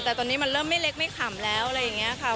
แต่ตอนนี้มันเริ่มไม่เล็กไม่ขำแล้วอะไรอย่างนี้ค่ะ